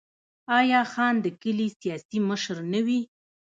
آیا خان د کلي سیاسي مشر نه وي؟